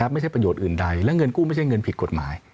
ไม่ใช่ประโยชน์อื่นใดและเงินกู้ไม่ใช่เงินผิดกฎหมาย